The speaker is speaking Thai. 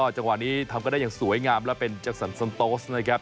จังหวะนี้ทำก็ได้อย่างสวยงามและเป็นจักษณ์ซันโต๊สนะครับ